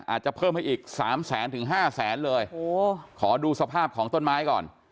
อาจจะเพิ่มให้อีกสามแสนถึงห้าแสนเลยโอ้โหขอดูสภาพของต้นไม้ก่อน